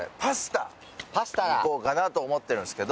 行こうかなと思ってるんすけど。